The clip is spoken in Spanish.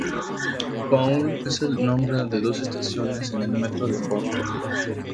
Paul es el nombre de dos estaciones en el Metro de Boston.